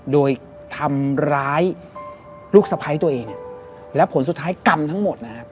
โดยทำร้ายลูกสะพ้ายตัวเองและผลสุดท้ายกรรมทั้งหมดนะครับ